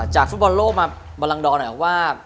จากฟุตบอลโลกมามลังดรหน่อยว่า